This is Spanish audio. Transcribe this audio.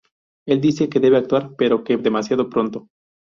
Él dice que debe actuar pero que demasiado pronto.